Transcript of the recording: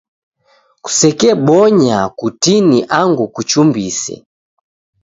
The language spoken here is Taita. Kusekebonya kutini angu kuchumbise.